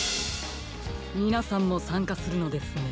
みなさんもさんかするのですね。